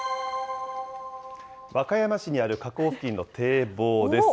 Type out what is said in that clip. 和歌山市にある河口付近の堤防です。